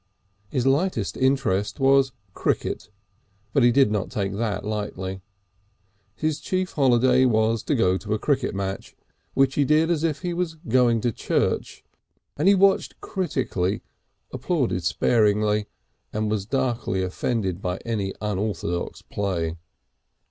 His lightest interest was cricket, but he did not take that lightly. His chief holiday was to go to a cricket match, which he did as if he was going to church, and he watched critically, applauded sparingly, and was darkly offended by any unorthodox play.